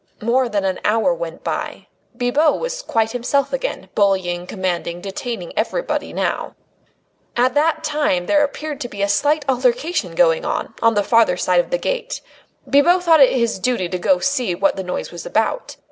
More than an hour went by. Bibot was quite himself again, bullying, commanding, detaining everybody now. At that time there appeared to be a slight altercation going on, on the farther side of the gate. Bibot thought it his duty to go and see what the noise was about.